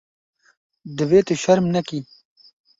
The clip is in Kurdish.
Divê tu şerm nekî.